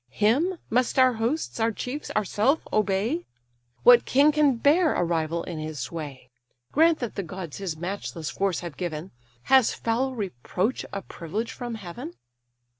Him must our hosts, our chiefs, ourself obey? What king can bear a rival in his sway? Grant that the gods his matchless force have given; Has foul reproach a privilege from heaven?"